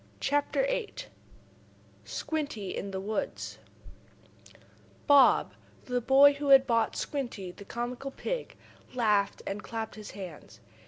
CHAPTER VIII SQUINTY IN THE WOODS Bob, the boy who had bought Squinty, the comical pig, laughed and clapped his hands.